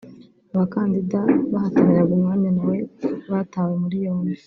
Abakandida bahataniraga umwanya na we batawe muri yombi